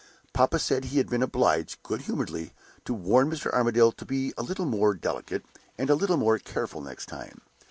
Papa said he had been obliged, good humoredly, to warn Mr. Armadale to be a little more delicate, and a little more careful next time.